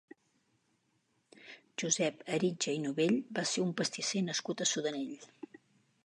Josep Eritja i Novell va ser un pastisser nascut a Sudanell.